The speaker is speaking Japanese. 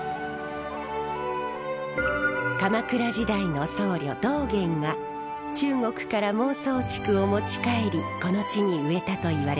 鎌倉時代の僧侶道元が中国から孟宗竹を持ち帰りこの地に植えたといわれています。